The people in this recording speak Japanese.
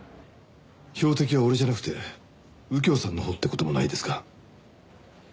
標的は俺じゃなくて右京さんのほうって事もないですか？